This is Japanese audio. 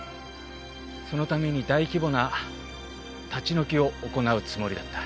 そのために大規模な立ち退きを行うつもりだった。